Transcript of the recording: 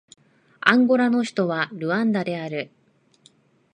アンゴラの首都はルアンダである